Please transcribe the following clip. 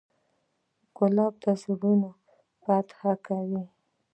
ګلاب د زړونو فتحه کوي.